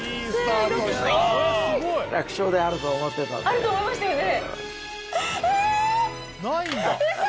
あると思いましたよね。